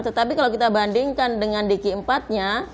tetapi kalau kita bandingkan dengan dk empat nya